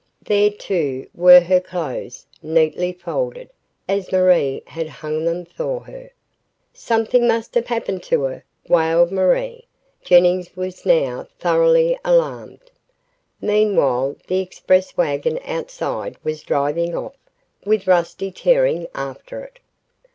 There, too, were her clothes, neatly folded, as Marie had hung them for her. "Something must have happened to her!" wailed Marie. Jennings was now thoroughly alarmed. Meanwhile the express wagon outside was driving off, with Rusty tearing after it.